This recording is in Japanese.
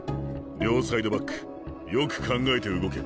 両サイドバックよく考えて動け。